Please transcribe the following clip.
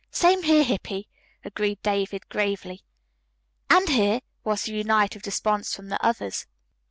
"Same here, Hippy," agreed David gravely. "And here," was the united response from the others.